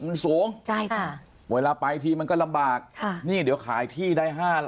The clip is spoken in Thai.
มันสูงใช่ค่ะเวลาไปทีมันก็ลำบากค่ะนี่เดี๋ยวขายที่ได้๕๐๐